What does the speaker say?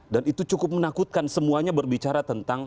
dan itu cukup menakutkan semuanya berbicara tentang